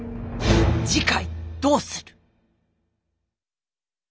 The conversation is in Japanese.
次回どうする。